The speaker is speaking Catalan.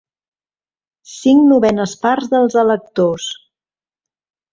Cinc novenes parts dels electors.